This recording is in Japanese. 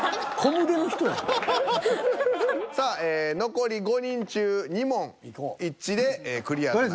残り５人中２問一致でクリアとなります。